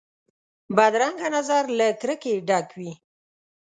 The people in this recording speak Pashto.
بدرنګه نظر له کرکې ډک وي